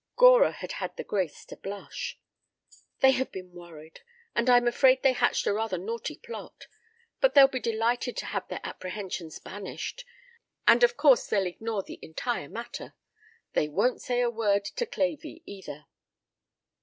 Gora had had the grace to blush. "They have been worried, and I'm afraid they hatched a rather naughty plot. But they'll be delighted to have their apprehensions banished and of course they'll ignore the entire matter. They won't say a word to Clavey, either."